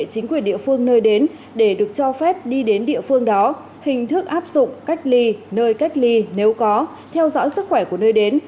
chính quyền địa phương nơi đến để được cho phép đi đến địa phương đó hình thức áp dụng cách ly nơi cách ly nếu có theo dõi sức khỏe của nơi đến